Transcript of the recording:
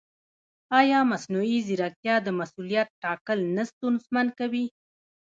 ایا مصنوعي ځیرکتیا د مسؤلیت ټاکل نه ستونزمن کوي؟